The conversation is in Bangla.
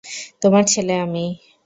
তোমার ছেলে আমি।